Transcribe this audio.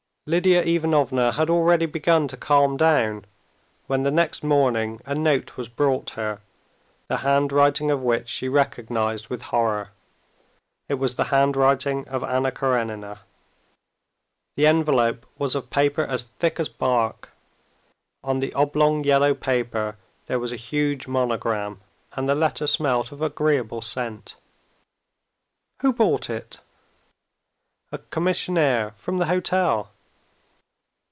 Lidia Ivanovna had already begun to calm down, when the next morning a note was brought her, the handwriting of which she recognized with horror. It was the handwriting of Anna Karenina. The envelope was of paper as thick as bark; on the oblong yellow paper there was a huge monogram, and the letter smelt of agreeable scent. "Who brought it?" "A commissionaire from the hotel."